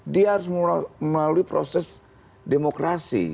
dia harus melalui proses demokrasi